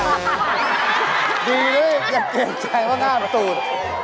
ดูเลยอย่าเกรงใจว่าง่ามตูด